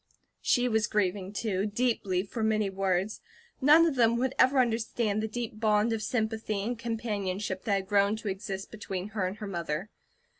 She was grieving too deeply for many words; none of them would ever understand the deep bond of sympathy and companionship that had grown to exist between her and her mother.